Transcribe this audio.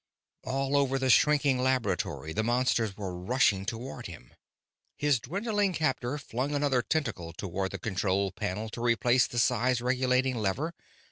All over the shrinking laboratory the monsters were rushing toward him. His dwindling captor flung another tentacle toward the control panel to replace the size regulating lever.